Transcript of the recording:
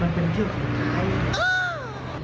มันเป็นชื่อของใคร